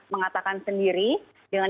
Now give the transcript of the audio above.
mengatakan sendiri dengan